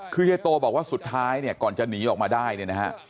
คือเฮียโตบอกว่าสุดท้ายเนี่ยก่อนจะหนีออกมาได้เนี่ยนะฮะ